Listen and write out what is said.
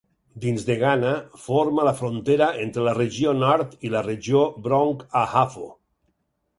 Dins de Ghana, forma la frontera entre la regió Nord i la regió Brong-Ahafo.